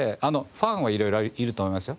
ファンは色々いると思いますよ。